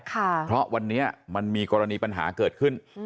เพราะวันนี้มันมีกรณีปัญหาเกิดขึ้น